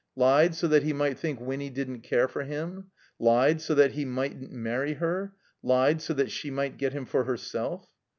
lied, so that he might think Winny didn't care for J im? Lied, so that he mightn't marry her ? Lied, so >hat she might get him for herself?